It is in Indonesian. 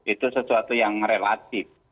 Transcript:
itu sesuatu yang relatif